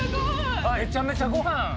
めちゃめちゃごはん。